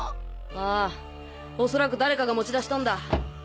ああおそらく誰かが持ち出したんだ！